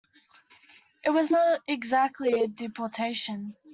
It was not exactly a deportation.